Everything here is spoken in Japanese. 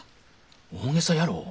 大げさやろ。